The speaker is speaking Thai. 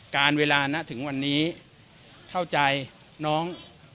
การเวลานะถึงวันนี้เข้าใจน้อง